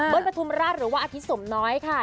เบิ้ลปฐุมราชหรือว่าอธิสมน้อยค่ะ